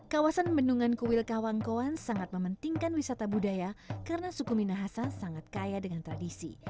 kawasan bendungan kuil kawangkoan sangat mementingkan wisata budaya karena suku minahasa sangat kaya dengan tradisi